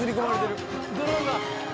ドローンが。